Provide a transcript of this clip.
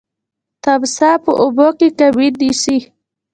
تمساح په اوبو کي کمین نیسي.